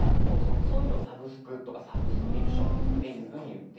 そういうのをサブスクとかサブスクリプションっていうふうに言っています。